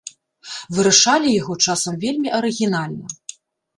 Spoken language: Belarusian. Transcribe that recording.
Вырашалі яго часам вельмі арыгінальна.